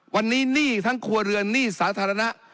วันนี้หนี้ทั้งครัวเรือนหนี้สาธารณะ